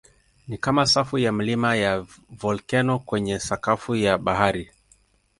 Ni kama safu ya milima ya volkeno kwenye sakafu ya bahari.